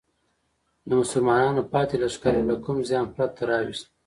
د مسلمانانو پاتې لښکر یې له کوم زیان پرته راوویست.